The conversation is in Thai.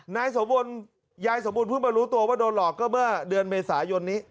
นายสมบลยายสมบูรณเพิ่งมารู้ตัวว่าโดนหลอกก็เมื่อเดือนเมษายนนี้